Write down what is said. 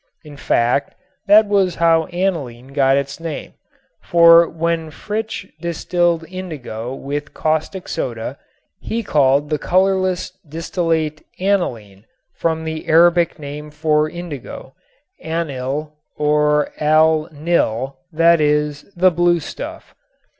In fact that was how aniline got its name, for when Fritzsche distilled indigo with caustic soda he called the colorless distillate "aniline," from the Arabic name for indigo, "anil" or "al nil," that is, "the blue stuff."